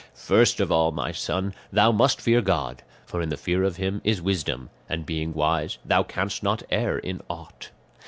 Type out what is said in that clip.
"First of all, my son, thou must fear God, for in the fear of him is wisdom, and being wise thou canst not err in aught.